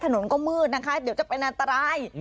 ถนนก็มืดนะคะเดี๋ยวจะเป็นอันตราย